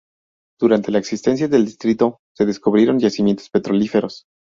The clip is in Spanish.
Durante la existencia del distrito se descubrieron yacimientos petrolíferos.